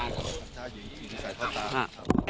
มันก็ยิงใส่เท้าตา